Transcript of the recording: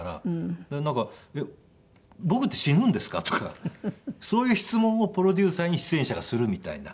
なんか「僕って死ぬんですか？」とかそういう質問をプロデューサーに出演者がするみたいな。